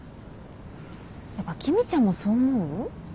やっぱ君ちゃんもそう思う？